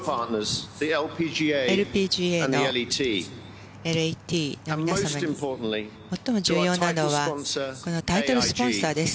ＬＰＧＡの皆様に最も重要なのはタイトルスポンサーです。